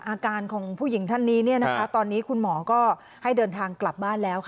อาการของผู้หญิงท่านนี้ตอนนี้คุณหมอก็ให้เดินทางกลับบ้านแล้ว